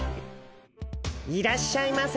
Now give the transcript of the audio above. いらっしゃいませ。